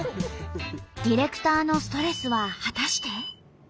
ディレクターのストレスは果たして。